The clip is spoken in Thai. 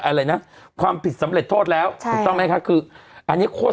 อะไรนะความผิดสำเร็จโทษแล้วใช่ถูกต้องไหมคะคืออันนี้โคตร